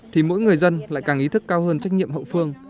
thì mỗi người dân lại càng ý thức cao hơn trách nhiệm hậu phương